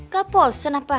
kapolnya tuh enak banget ya